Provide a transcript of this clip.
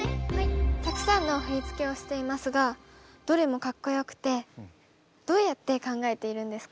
たくさんの振付をしていますがどれもかっこよくてどうやって考えているんですか？